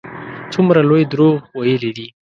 څومره لوی دروغ ویلي دي.